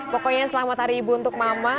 pokoknya selamat hari ibu untuk mama